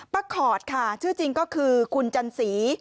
ขอดค่ะชื่อจริงก็คือคุณจันสี